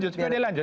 supaya dia lanjut